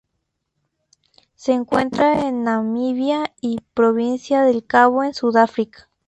Se encuentra en Namibia y la Provincia del Cabo, en Sudáfrica.